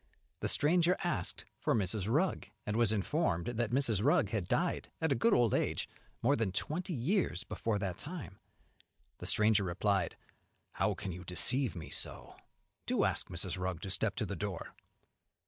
The stranger asked for Mrs. Rugg, and was informed that Mrs. Rugg had died, at a good old age, more than twenty years before that time. The stranger replied, "How can you deceive me so? do ask Mrs. Rugg to step to the door."